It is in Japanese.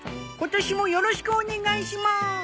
今年もよろしくお願いします！